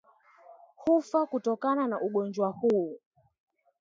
hufa kutokana na ugonjwa huu